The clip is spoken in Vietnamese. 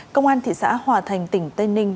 công an thị xã hòa thành tỉnh tây ninh